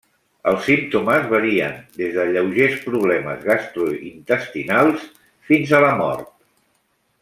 Els símptomes varien des de lleugers problemes gastrointestinals fins a la mort.